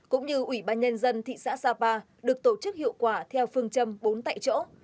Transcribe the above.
cũng như ủy ban nhân dân thị xã sapa được tổ chức hiệu quả theo phương châm bốn tại chỗ